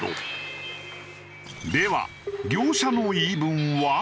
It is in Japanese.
では業者の言い分は？